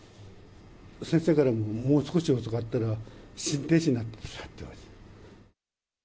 先生からも、もう少し遅かったら、心停止になっていたって言われた。